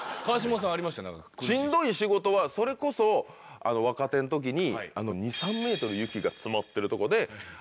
しんどい仕事はそれこそ若手ん時に。